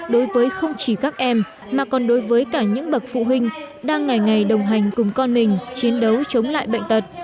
đối với không chỉ các em mà còn đối với cả những bậc phụ huynh đang ngày ngày đồng hành cùng con mình chiến đấu chống lại bệnh tật